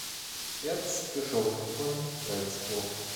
Erzbischof von Salzburg.